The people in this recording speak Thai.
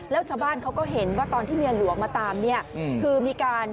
แล้วชาวบ้านเขาก็เห็นว่าตอนที่เมียหลวงมาตาม